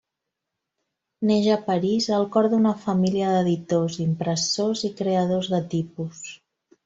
Neix a París al cor d'una família d'editors, impressors i creadors de tipus.